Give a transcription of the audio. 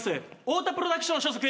太田プロダクション所属